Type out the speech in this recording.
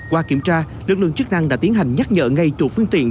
qua kiểm tra lực lượng chức năng đã tiến hành nhắc nhở ngay chủ phương tiện